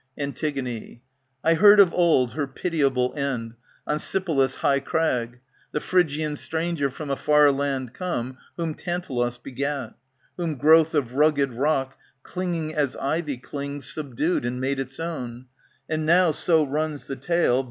Antig, I heard of old her pitiable end,^ On Sipylos' high crag, The Phrygian stranger from a far land come, Whom Tantalos begat ; Whom growth of rugged rock, Clinging as ivy clings. Subdued, and made its own : And now, so runs the tale.